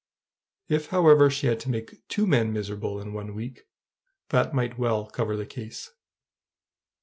If, however, she had to make two men miserable in one week, that might well cover the case.